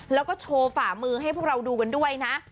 แล้วก็โชว์ฝ่ามือให้พวกเราดูกันด้วยนะ